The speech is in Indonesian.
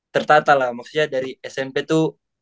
tertata lah maksudnya dari smp itu